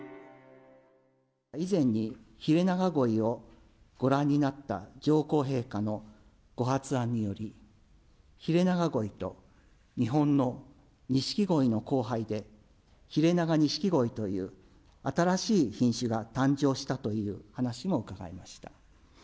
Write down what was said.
以前にヒレナガゴイをご覧になった上皇陛下のご発案により、ヒレナガゴイと日本のニシキゴイの交配で、ヒレナガニシキゴイという新しい品種が誕生したという話も伺いました。